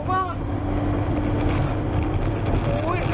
โอ้ยเข้าทางหลังอีก